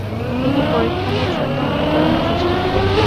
তিনি পরীক্ষণের জন্য উপকরণ প্রস্তুত করতেন।